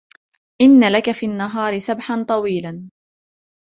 إن لك في النهار سبحا طويلا